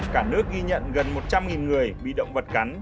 cả nước ghi nhận gần một trăm linh người bị động vật cắn